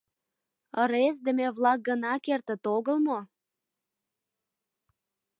Ыресдыме-влак гына кертыт огыл мо?